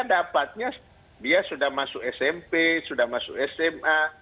dapatnya dia sudah masuk smp sudah masuk sma